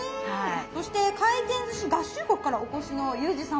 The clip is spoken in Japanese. そして回転ずし合衆国からお越しのユージ様。